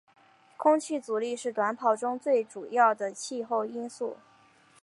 空气阻力是短跑中最主要的气候因素。